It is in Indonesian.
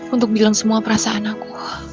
untuk bilang semua perasaan aku